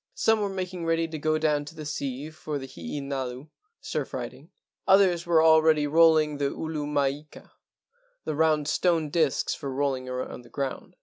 Some were making ready to go down to the sea for the hee nalu (surf riding). Others were al¬ ready rolling the ulu maika (the round stone discs for rolling along the ground).